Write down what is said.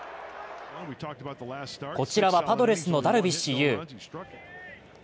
こちらは、パドレスのダルビッシュ有。